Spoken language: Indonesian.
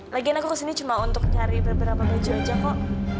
lagian aku kesini cuma untuk cari beberapa baju aja kok